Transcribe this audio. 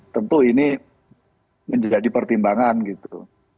tentu ini menjadi pertimbangan gitu